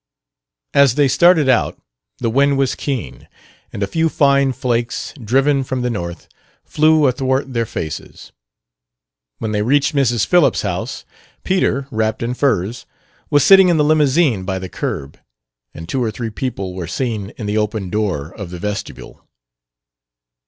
As they started out the wind was keen, and a few fine flakes, driven from the north, flew athwart their faces. When they reached Mrs. Phillips' house, Peter, wrapped in furs, was sitting in the limousine by the curb, and two or three people were seen in the open door of the vestibule.